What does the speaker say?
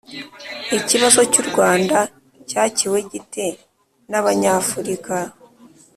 ikibazo cy'u rwanda cyakiwe gite n'abanyafurika?